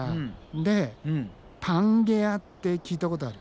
でパンゲアって聞いたことある？